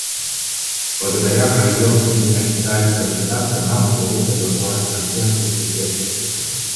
Благодаря проведенным им неофициальным консультациям нам удалось согласовать консенсусный текст.